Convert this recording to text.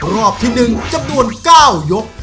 รอบที่๑๙ยกสุด